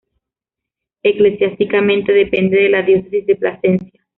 Eclesiásticamente depende de la diócesis de Plasencia.